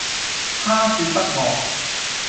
她說不餓